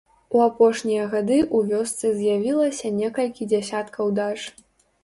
У апошнія гады ў вёсцы з'явілася некалькі дзясяткаў дач.